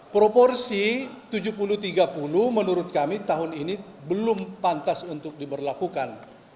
proporsi tujuh puluh tiga puluh menurut kami tahun ini belum pantas untuk diberlakukan